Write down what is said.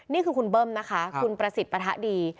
นี่คือคุณเบิ้มนะคะคุณประสิทธิ์ปะทะดี